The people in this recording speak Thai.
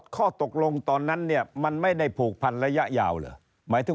ข้อตกลงตอนนั้นนี้มันไม่ได้ผูกพันธุ์ระยะยาวหรือ